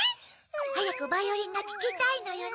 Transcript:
はやくバイオリンがききたいのよね。